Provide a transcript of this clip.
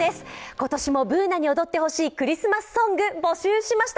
今年もＢｏｏｎａに踊ってほしいクリスマスソング募集しました。